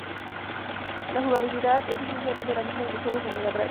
La jugabilidad es esencialmente la misma de los juegos de Mega Drive.